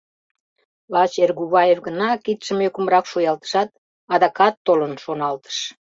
Лач Эргуваев гына кидшым ӧкымрак шуялтышат, «Адакат толын» шоналтыш.